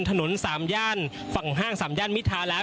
ถนน๓ย่านฝั่งห้างสามย่านมิทาแล้ว